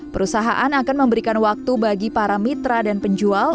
perusahaan akan memberikan waktu bagi para mitra dan penjual